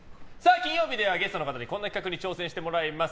金曜日にはゲストの方にこんな企画に挑戦してもらいます。